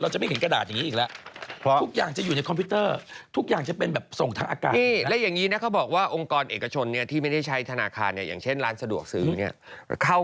จากการเปลี่ยนแปลงของระบบเทคโนโลยีที่พัฒนาอย่างรวดเร็ว